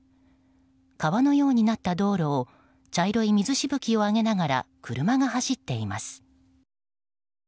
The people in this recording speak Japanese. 川のようになった道路を茶色い水しぶきを上げながら車が走っています。